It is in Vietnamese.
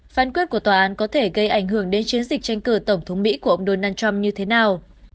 phán quyết của tòa án có thể gây ảnh hưởng đến chiến dịch tranh cử tổng thống mỹ của ông donald trump như thế nào